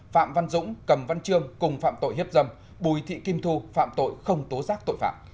phạm văn dũng cầm văn trương cùng phạm tội hiếp dâm bùi thị kim thu phạm tội không tố giác tội phạm